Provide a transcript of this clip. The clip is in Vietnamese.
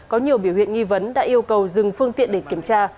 có nhiều biểu hiện nghi vấn đã yêu cầu dừng phương tiện để kiểm tra